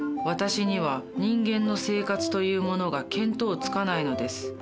「私には人間の生活というものが見当つかないのです」。